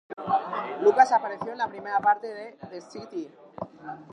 Lucas apareció en la primera parte de "The City".